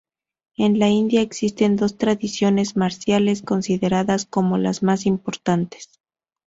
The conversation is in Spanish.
En la India existen dos tradiciones marciales consideradas como las más importantes.